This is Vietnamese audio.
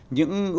những ưu điện